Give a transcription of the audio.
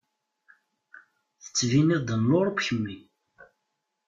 Tettbineḍ-d n Luṛup kemmi.